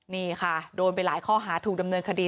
นี่ค่ะโดนไปหลายข้อหาถูกดำเนินคดี